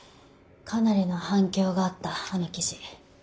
かなりの反響があったあの記事」。